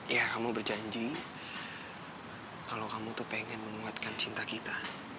ya kamu berjanji kalau kamu tuh pengen menguatkan cinta kita